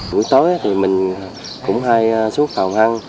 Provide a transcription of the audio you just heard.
buổi tối thì mình cũng hay xuống phòng hân